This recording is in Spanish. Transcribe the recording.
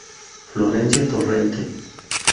Florencia Torrente